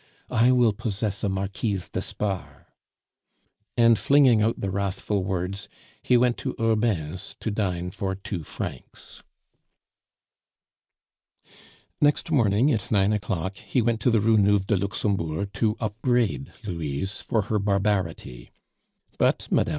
I will possess a Marquise d'Espard." And flinging out the wrathful words, he went to Hurbain's to dine for two francs. Next morning, at nine o'clock, he went to the Rue Neuve de Luxembourg to upbraid Louise for her barbarity. But Mme.